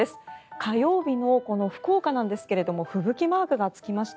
火曜日のこの福岡なんですが吹雪マークがつきました。